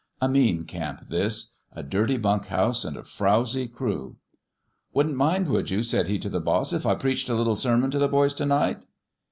A mean camp, this : a dirty bunk house and a frowzy crew. " Wouldn't mind, would you," said he, to the boss, " if I preached a little sermon to the boys to night